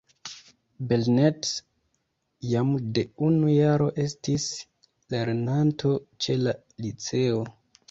Belnett jam de unu jaro estis lernanto ĉe la liceo.